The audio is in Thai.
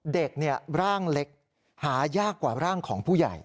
เด็กร่างเล็กหายากกว่าร่างของผู้ใหญ่